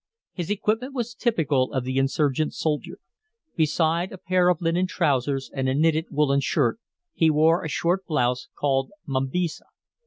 His equipment was typical of the insurgent soldier. Beside a pair of linen trousers and a knitted woolen shirt, he wore a short blouse, called mambisa.